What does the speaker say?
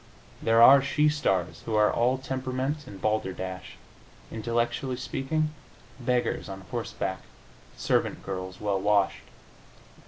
There are she stars who are all temperament and balderdash intellectually speaking, beggars on horseback, servant girls well washed.